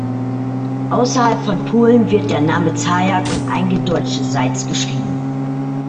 Außerhalb von Polen wird der Name Zajac und eingedeutscht Seitz geschrieben.